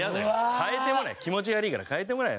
替えてもらえ気持ち悪いから替えてもらえよ。